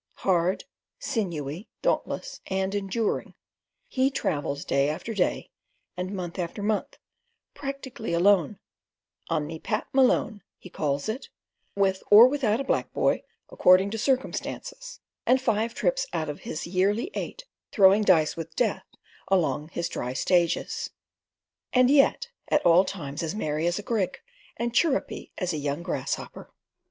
Hard, sinewy, dauntless, and enduring, he travels day after day and month after month, practically alone—"on me Pat Malone," he calls it—with or without a black boy, according to circumstances, and five trips out of his yearly eight throwing dice with death along his dry stages, and yet at all times as merry as a grig, and as chirrupy as a young grasshopper.